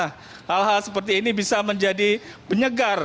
hal hal seperti ini bisa menjadi penyegar